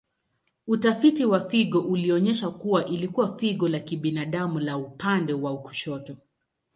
Utafiti wa figo ulionyesha kuwa ilikuwa figo la kibinadamu la upande wa kushoto.